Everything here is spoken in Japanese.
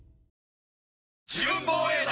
自分防衛団！